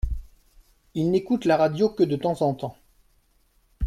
Ils n’écoutent la radio que de temps en temps.